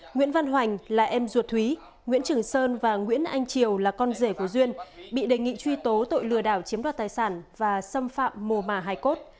nguyễn văn hoành là em ruột thúy nguyễn trường sơn và nguyễn anh triều là con rể của duyên bị đề nghị truy tố tội lừa đảo chiếm đoạt tài sản và xâm phạm mồ mà hài cốt